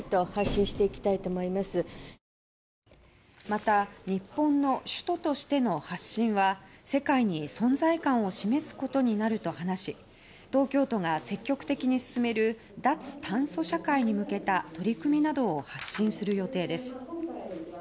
また日本の首都としての発信は世界に存在感を示すことになると話し東京都が積極的に進める脱炭素社会に向けた取り組みなどを発信する予定です。